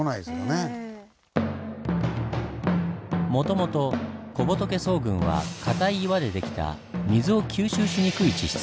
もともと小仏層群はかたい岩で出来た水を吸収しにくい地質。